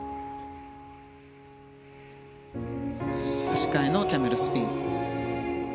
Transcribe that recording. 足換えのキャメルスピン。